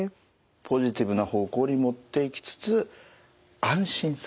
ポジティブな方向に持っていきつつ安心させる。